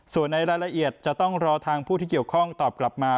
ส่วนในรายละเอียดจะต้องรอทางผู้ที่เกี่ยวข้องตอบกลับมา